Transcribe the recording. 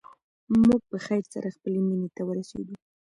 موږ په خیر سره خپلې مېنې ته ورسېدو.